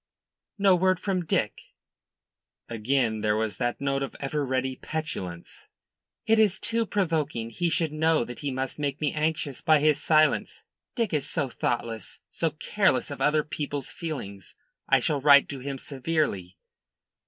"No word from Dick?" Again there was that note of ever ready petulance. "It is too provoking. He should know that he must make me anxious by his silence. Dick is so thoughtless so careless of other people's feelings. I shall write to him severely."